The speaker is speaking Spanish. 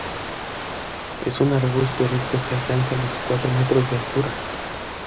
Es un arbusto erecto que alcanza los cuatro metros de altura.